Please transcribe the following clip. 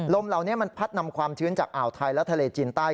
ลมเหล่านี้มันพัดนำความชื้นจากอ่าวไทยและทะเลจีนใต้